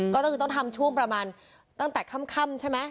ก็คือต้องทำช่วงประมาณตั้งแต่ค่ำใช่ไหม